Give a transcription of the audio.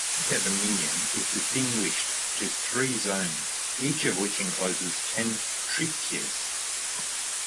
The Attica dominion is distinguished to three zones, each of which encloses ten "trittyes".